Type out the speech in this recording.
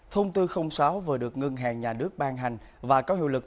thông tư sáu vừa được ngân hàng nhà nước ban hành và có hiệu lực